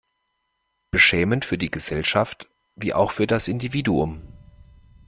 Beschämend für die Gesellschaft, wie auch für das Individuum.